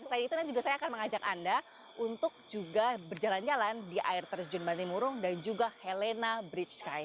selain itu nanti juga saya akan mengajak anda untuk juga berjalan jalan di air terjun bantimurung dan juga helena bridge sky